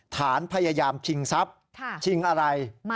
ฐานพยายามชิงทรัพย์ชิงอะไร